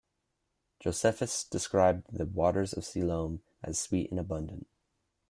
Josephus described the waters of Siloam as sweet and abundant.